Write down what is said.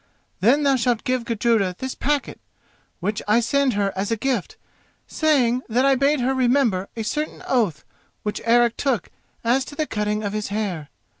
Then thou shalt give Gudruda this packet, which I send her as a gift, saying, that I bade her remember a certain oath which Eric took as to the cutting of his hair.